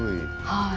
はい。